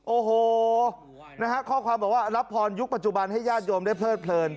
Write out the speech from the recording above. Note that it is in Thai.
โอ้โหนะฮะข้อความบอกว่ารับพรยุคปัจจุบันให้ญาติโยมได้เพลิดเพลิน